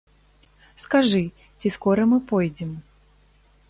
Скажы, ці скора мы пойдзем?